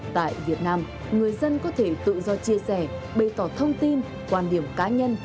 tại việt nam người dân có thể tự do chia sẻ bày tỏ thông tin quan điểm cá nhân